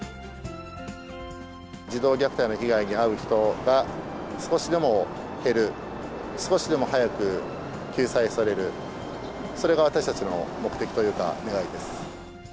児童虐待の被害に遭う人が、少しでも減る、少しでも早く救済される、それが私たちの目的というか願いです。